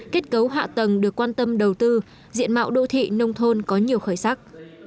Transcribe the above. kết cấu hạ tầng được quan tâm đầu tư diện mạo đô thị nông thôn có nhiều khởi sắc